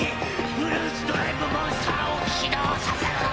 ブルース・ドライブ・モンスターを起動させるのだ！